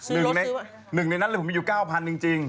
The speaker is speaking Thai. ๑ในนั้นเลยมีอยู่๙๐๐๐จริง